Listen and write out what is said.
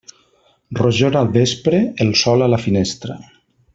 Rojor al vespre, el sol a la finestra.